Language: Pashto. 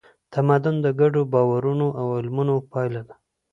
تمدن د ګډو باورونو او عملونو پایله ده.